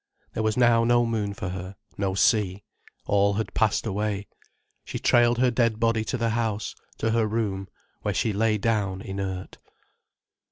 There was now no moon for her, no sea. All had passed away. She trailed her dead body to the house, to her room, where she lay down inert.